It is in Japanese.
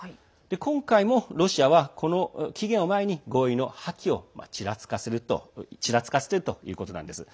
今回もロシアはこの期限を前に合意の破棄をちらつかせているということなんです。